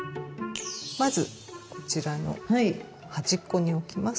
まずこちらの端っこに置きます。